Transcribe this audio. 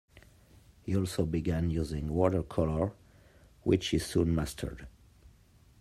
He also began using watercolor, which he soon mastered.